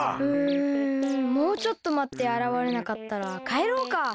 うんもうちょっとまってあらわれなかったらかえろうか。